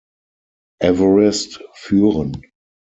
Everest führen.